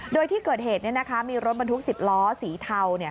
โดยที่เกิดเหตุมีรถบรรทุก๑๐ล้อสีเทา